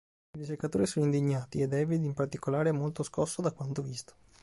I ricercatori sono indignati e David, in particolare, è molto scosso da quanto visto.